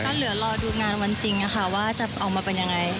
ก็เหลือรอดูงานวันจริงว่าจะออกมาเป็นยังไง